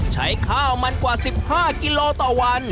ใช้ข้าวมันกว่า๑๕กิโลต่อวัน